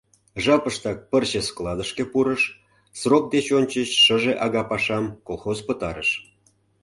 Жапыштак пырче складышке пурыш, срок деч ончыч шыже ага пашам колхоз пытарыш.